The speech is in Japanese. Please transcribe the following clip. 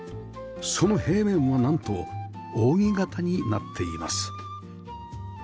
その平面はなんと扇形になっています